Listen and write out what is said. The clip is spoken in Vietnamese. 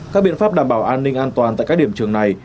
các biện pháp đảm bảo an ninh an toàn tại các điểm trường này